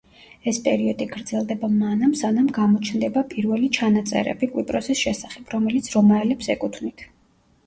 ეს პერიოდი გრძელდება მანამ, სანამ გამოჩნდება პირველი ჩანაწერები კვიპროსის შესახებ, რომელიც რომაელებს ეკუთვნით.